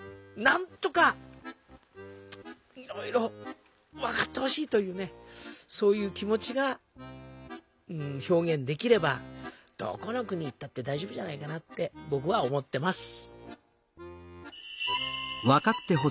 なんとかいろいろ分かってほしいというねそういう気持ちが表現できればどこの国行ったってだいじょうぶじゃないかなってぼくは思ってます！